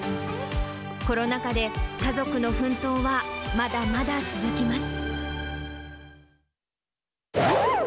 コロナ禍で家族の奮闘はまだまだ続きます。